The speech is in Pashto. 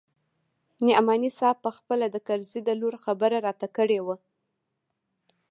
نعماني صاحب پخپله د کرزي د لور خبره راته کړې وه.